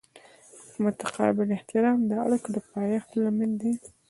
متقابل احترام د اړیکو د پایښت لامل دی.